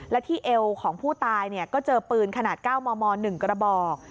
และที่เอวของผู้ตายก็เจอปืนขนาด๙มม๑กระบอก